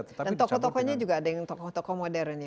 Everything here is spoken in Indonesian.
tokoh tokohnya juga ada yang modern